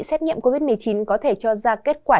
xét nghiệm covid một mươi chín có thể cho ra kết quả